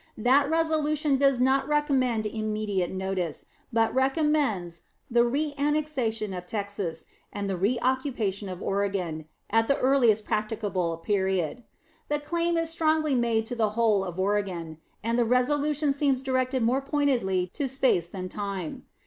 That resolution does not recommend immediate notice, but recommends "the reannexation of Texas" and the "reoccupation of Oregon" at the "earliest practicable period." The claim is strongly made to the "whole of Oregon"; and the resolution seems directed more pointedly to space than time.